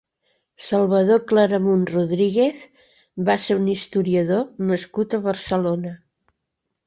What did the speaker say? Salvador Claramunt Rodríguez va ser un historiador nascut a Barcelona.